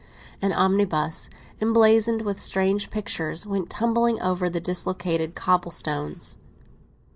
An omnibus, emblazoned with strange pictures, went tumbling over the dislocated cobble stones.